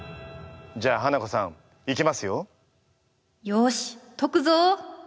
じゃあハナコさんいきますよ。